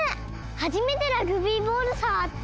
はじめてラグビーボールさわった！